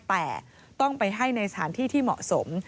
แต่ต้องไปให้ในสถานที่ที่เหมาะสม